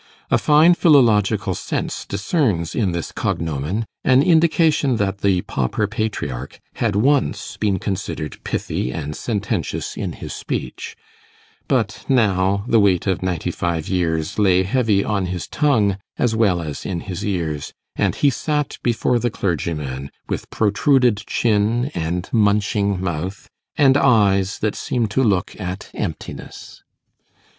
A fine philological sense discerns in this cognomen an indication that the pauper patriarch had once been considered pithy and sententious in his speech; but now the weight of ninety five years lay heavy on his tongue as well as in his ears, and he sat before the clergyman with protruded chin, and munching mouth, and eyes that seemed to look at emptiness.